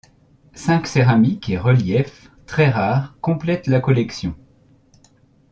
Cinq céramiques et reliefs très rares complètent la collection.